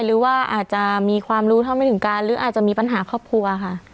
หรือว่าอาจจะมีความรู้เท่าไม่ถึงการหรืออาจจะมีปัญหาครอบครัวค่ะ